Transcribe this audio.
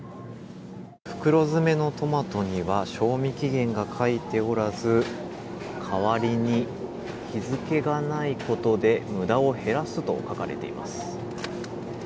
袋詰めのトマトには賞味期限が書いておらず、代わりに日付がないことで無駄を減らすと書かれています。